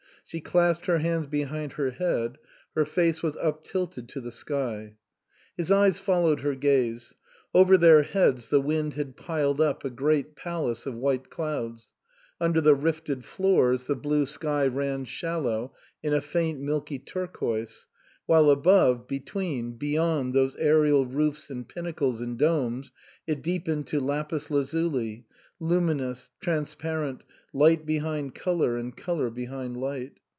She clasped her hands be hind her head ; her face was uptilted to the sky. His eyes followed her gaze. Over their heads the wind had piled up a great palace of white clouds ; under the rifted floors the blue sky ran shallow in a faint milky turquoise, while above, between, beyond those aerial roofs and pin nacles and domes it deepened to lapis lazuli, luminous, transparent, light behind colour and colour behind light.